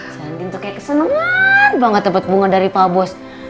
jantin tuh kayak keseneng banget dapet bunga dari pa bos